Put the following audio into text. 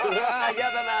やだなあ。